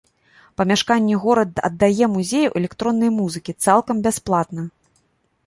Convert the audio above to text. Памяшканне горад аддае музею электроннай музыкі цалкам бясплатна.